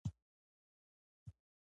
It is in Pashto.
د محمود هسې ټراري ختله.